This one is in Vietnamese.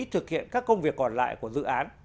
thực hiện các công việc còn lại của dự án